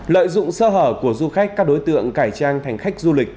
lợi dụng sơ hở của du khách các đối tượng cải trang thành khách du lịch